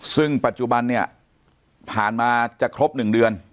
ซึ่งปัจจุบันเนี่ยผ่านมาจะครบ๑เดือน